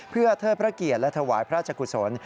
เพื่อเทิดพระเกียรติและถวายพระราชกุศล